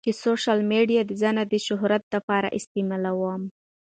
چې سوشل ميډيا زۀ نۀ د شهرت د پاره استعمالووم